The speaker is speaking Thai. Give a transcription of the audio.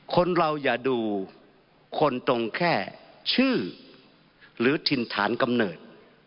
คนเราอย่าดูคนตรงแค่ชื่อหรือถิ่นฐานกำเนิด